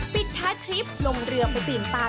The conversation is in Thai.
ปิดท้ายทริปลงเรือไปปิ่มป่า